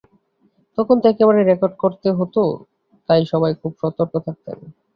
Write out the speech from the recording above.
তখন তো একবারেই রেকর্ড করতে হতো, তাই সবাই খুব সতর্ক থাকতেন।